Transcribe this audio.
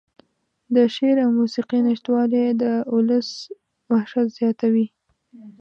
د شعر او موسيقۍ نشتوالى د اولس وحشت زياتوي.